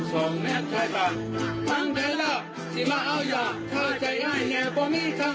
ส่องแม่ใจบ้านทางแด่ละที่มะเอาอยากช่าใจให้แงบลงมีทั้ง